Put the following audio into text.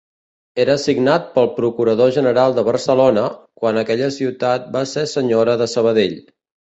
Era signat pel procurador general de Barcelona, quan aquella ciutat va ser senyora de Sabadell.